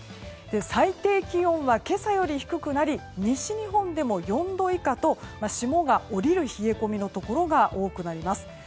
最低気温は今朝より低くなり西日本でも４度以下と霜が降りる冷え込みのところが多くなります。